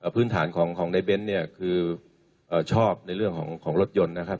พื้นฐานของในเบ้นเนี่ยคือชอบในเรื่องของรถยนต์นะครับ